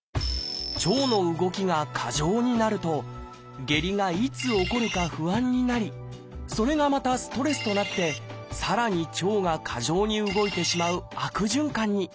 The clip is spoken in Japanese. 腸の動きが過剰になると下痢がいつ起こるか不安になりそれがまたストレスとなってさらに腸が過剰に動いてしまう悪循環に。